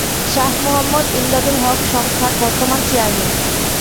শাহ মোহাম্মদ ইমদাদুল হক সংস্থার বর্তমান চেয়ারম্যান।